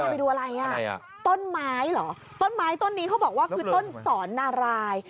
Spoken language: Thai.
ไปดูอะไรอ่ะต้นไม้เหรอต้นไม้ต้นนี้เขาบอกว่าคือต้นสอนนาราย